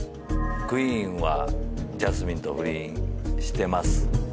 クインはジャスミンと不倫してます。